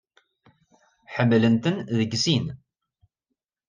Ḥemmlent-ten deg sin.